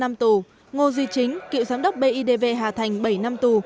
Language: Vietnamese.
tòa tuyên bị cáo ngô duy chính cựu giám đốc bidv hà thành bảy năm tù